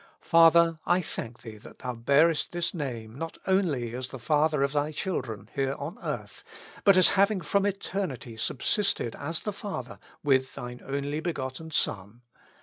Father ! I thank Thee that Thou bearest this name not only as the Father of Thy children here on earth, 140 With Christ in the School of Prayer. but as having from eternity subsisted as the Father with Thine only begotten Son.